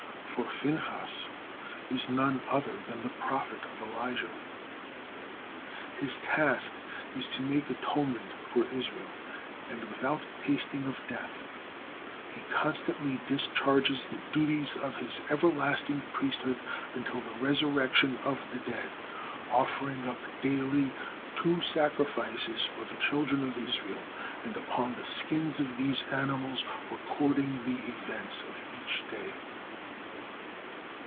For Phinehas is none other than the prophet of Elijah. His task it is to make atonement for Israel, and without tasting of death, he constantly discharges the duties of his everlasting priesthood until the resurrection of the dead, offering up daily two sacrifices for the children of Israel, and upon the skins of these animals recording the events of each day.